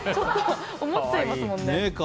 思っちゃいますもんね。